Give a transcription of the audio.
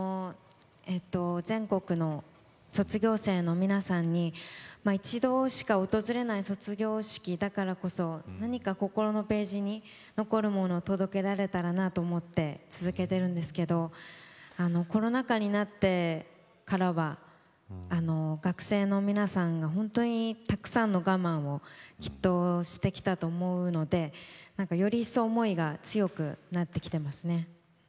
全国の卒業生の皆さんに一度しか訪れない卒業式だからこそ何か心のページに残るものを届けられたらなと思って続けてるんですけどコロナ禍になってからは学生の皆さんが本当にたくさんの我慢をきっとしてきたと思うのでより一層思いが強くなってきてますね。